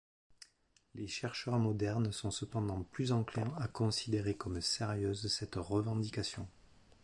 Les chercheurs modernes sont cependant plus enclins à considérer comme sérieuse cette revendication.